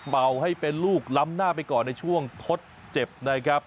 เบาให้เป็นลูกล้ำหน้าไปก่อนในช่วงทดเจ็บนะครับ